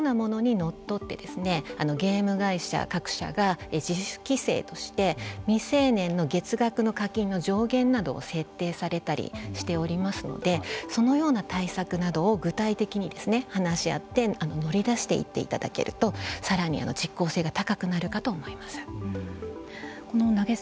そのようなものにのっとってゲーム会社各社が自主規制として未成年の月額の課金の上限などを設定されたりしておりますのでそのような対策などを具体的に話し合って乗り出していっていただけるとさらに実効性が高くなるかと投げ銭